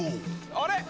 あれ？